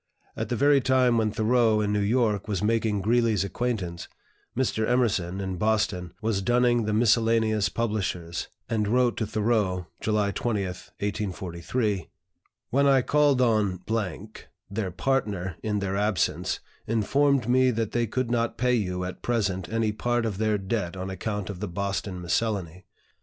At the very time when Thoreau, in New York, was making Greeley's acquaintance, Mr. Emerson, in Boston, was dunning the Miscellaneous publishers, and wrote to Thoreau (July 20, 1843): "When I called on , their partner, in their absence, informed me that they could not pay you, at present, any part of their debt on account of the Boston 'Miscellany.'